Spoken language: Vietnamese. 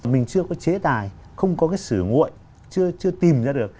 mình chưa có chế tài không có cái sử nguội chưa tìm ra được